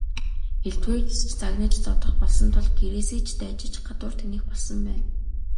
Элдвээр хэлж, загнаж зодох болсон тул гэрээсээ ч дайжиж гадуур тэнэх болсон байна.